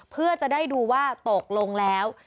เพื่อจะได้ดูว่าตกลงแล้ว